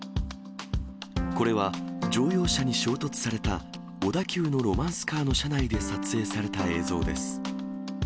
これは乗用車に衝突された小田急のロマンスカーの車内で撮影された映像です。